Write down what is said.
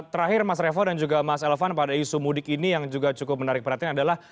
terakhir mas revo dan juga mas elvan pada isu mudik ini yang juga cukup menarik perhatian adalah